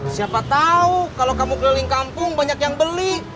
siapa tahu kalau kamu keliling kampung banyak yang beli